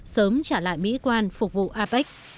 sớm trả lại mỹ quan phục vụ apec